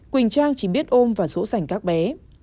quỳnh trang chỉ biết ôm và rỗ rảnh các bé